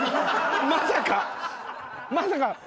まさか？